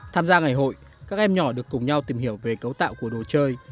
tham gia ngày hội các em nhỏ được cùng nhau tìm hiểu về cấu tạo của đồ chơi